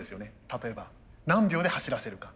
例えば何秒で走らせるか。